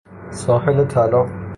ساحل طلا